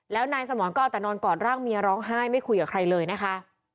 แล้วนายสมรก็เอาแต่นอนกอดร่างเมียร้องไห้ไม่คุยกับใครเลยนะคะ